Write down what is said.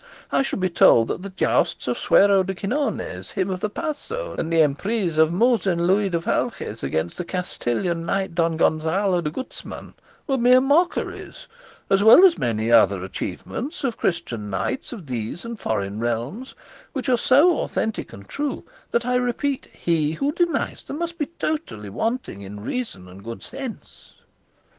I shall be told that the jousts of Suero de Quinones, him of the 'Paso,' and the emprise of Mosen Luis de Falces against the Castilian knight, Don Gonzalo de Guzman, were mere mockeries; as well as many other achievements of Christian knights of these and foreign realms, which are so authentic and true, that, I repeat, he who denies them must be totally wanting in reason and good sense."